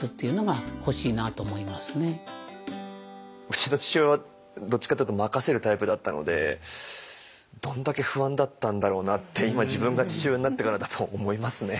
うちの父親はどっちかっていうと任せるタイプだったのでどんだけ不安だったんだろうなって今自分が父親になってからだと思いますね。